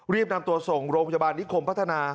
รีบนำตัวส่งโรงพยาบาลนิคมพัฒนา